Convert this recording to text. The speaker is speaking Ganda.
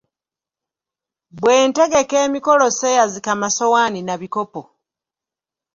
Bwe ntegeka emikolo sseeyazika masowaani na bikopo.